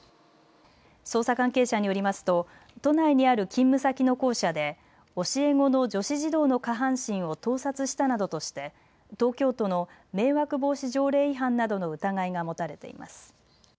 捜査関係者によりますと都内にある勤務先の校舎で教え子の女子児童の下半身を盗撮したなどとして東京都の迷惑防止条例違反などの疑いが持たれています。